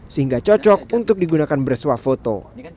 sehingga cocok untuk digunakan bersuah foto